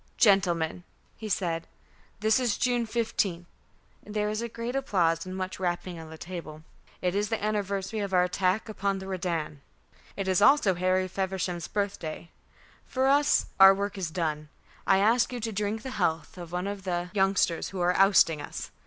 "Gentlemen," he said, "this is June 15th," and there was great applause and much rapping on the table. "It is the anniversary of our attack upon the Redan. It is also Harry Feversham's birthday. For us, our work is done. I ask you to drink the health of one of the youngsters who are ousting us.